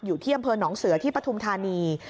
อยู่ที่อำเภอหนองเสือที่ปฐุมธานี